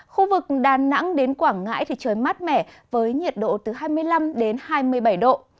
khu vực đà nẵng đến quảng ngãi thì trời mát mẻ với nhiệt độ từ hai mươi năm đến hai mươi bảy độ